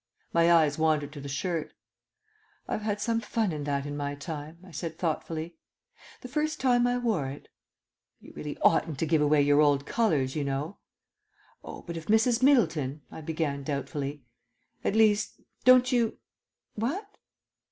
My eyes wandered to the shirt. "I've had some fun in that in my time," I said thoughtfully. "The first time I wore it " "You really oughtn't to give away your old colours, you know." "Oh, but if Mrs. Middleton," I began doubtfully "at least, don't you what?